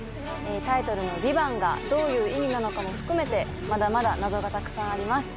タイトルの「ＶＩＶＡＮＴ」がどういう意味なのかも含めてまだまだ謎がたくさんあります